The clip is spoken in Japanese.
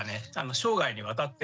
生涯にわたって。